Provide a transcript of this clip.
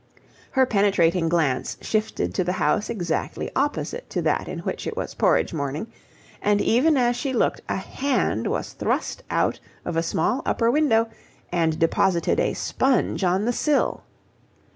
Her penetrating glance shifted to the house exactly opposite to that in which it was porridge morning, and even as she looked a hand was thrust out of a small upper window and deposited a sponge on the sill.